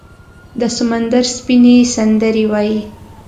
د سمندر سپینې، سندرې وایې